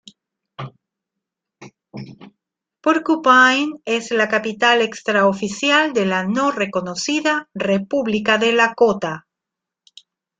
Porcupine es la capital extraoficial de la no reconocida República de Lakota.